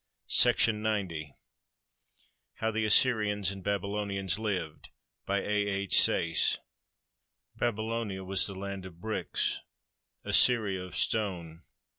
ill >*si^' /\, HOW THE ASSYRIANS AND BABYLONIANS LIVED BY A. H. SAYCE Babylonia was the land of bricks, Assyria of stone.